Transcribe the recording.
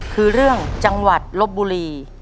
คือเรื่องจังหวัดลบบุรี